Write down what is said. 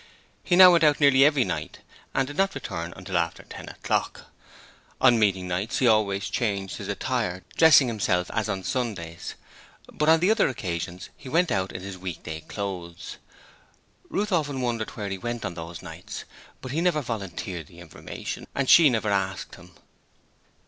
He now went out nearly every night and did not return until after ten o'clock. On meeting nights he always changed his attire, dressing himself as on Sundays, but on the other occasions he went out in his week day clothes. Ruth often wondered where he went on those nights, but he never volunteered the information and she never asked him.